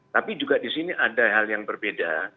tapi juga di sini ada hal yang berbeda